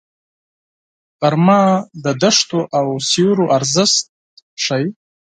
غرمه د دښتو او سیوریو ارزښت ښيي